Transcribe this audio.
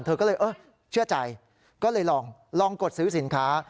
เธอก็เลยเออเชื่อใจก็เลยลองกดซื้อสินค้า